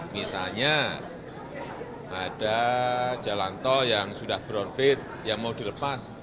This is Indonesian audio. misalnya ada jalan tol yang sudah brownfit yang mau dilepas